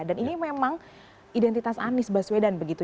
dan ini memang identitas anis baswedan begitu